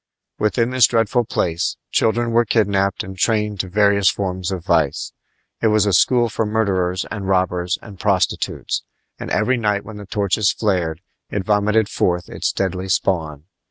Within this dreadful place children were kidnapped and trained to various forms of vice. It was a school for murderers and robbers and prostitutes; and every night when the torches flared it vomited forth its deadly spawn.